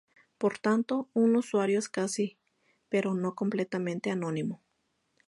Por tanto, un usuario es casi pero no completamente anónimo.